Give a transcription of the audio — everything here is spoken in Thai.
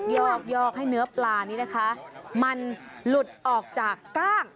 ยอกให้เนื้อปลานี้นะคะมันหลุดออกจากกล้าง